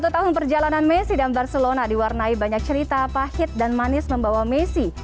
satu tahun perjalanan messi dan barcelona diwarnai banyak cerita pahit dan manis membawa messi